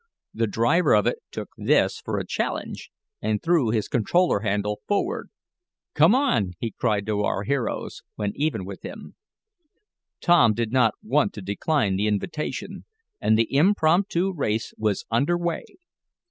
The driver of it took this for a challenge and threw his controller handle forward. "Come on!" he cried to our hero, when even with him. Tom did not want to decline the invitation, and the impromptu race was under way.